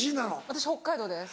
私北海道です。